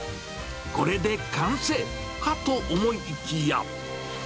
これで完成かと思いきや。